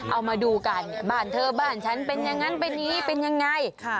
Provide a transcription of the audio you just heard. เอามาดูกันบ้านเธอบ้านฉันเป็นอย่างนั้นเป็นอย่างนี้เป็นยังไง